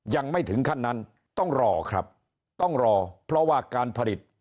ยังไม่ถึงขั้นนั้นต้องรอครับต้องรอเพราะว่าการผลิต